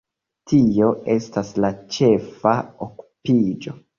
Tio estas la ĉefa okupiĝo.